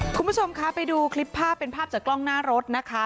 คุณผู้ชมคะไปดูคลิปภาพเป็นภาพจากกล้องหน้ารถนะคะ